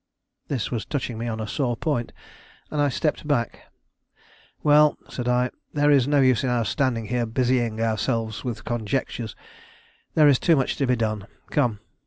This was touching me on a sore point, and I stepped back. "Well," said I, "there is no use in our standing here busying ourselves with conjectures. There is too much to be done. Come!"